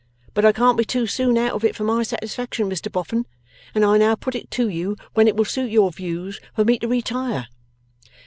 But I can't be too soon out of it for my satisfaction, Mr Boffin, and I now put it to you when it will suit your views for me to retire?